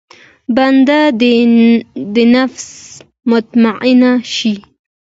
بنده دې النفس المطمئنه شي.